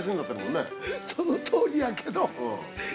そのとおりやけど。